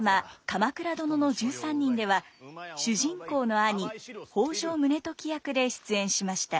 「鎌倉殿の１３人」では主人公の兄北条宗時役で出演しました。